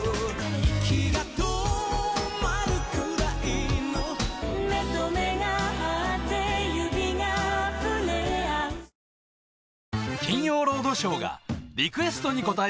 息が止まるくらいの瞳と瞳が合って指が触れ合う